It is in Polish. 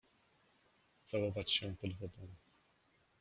Całować się pod wodą.